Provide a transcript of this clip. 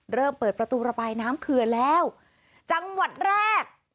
เริ่มเปิดประตูระบายน้ำเขื่อนแล้วจังหวัดแรก